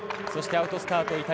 そしてアウトスタート